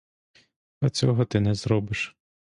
Та цього ти не зробиш.